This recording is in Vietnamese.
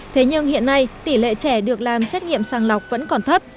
thế nhưng hiện nay tỷ lệ trẻ được làm xét nghiệm sàng lọc vẫn còn thấp